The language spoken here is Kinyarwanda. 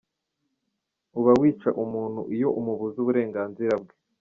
Uba wica umuntu iyo umubuza uburenganzira bwe.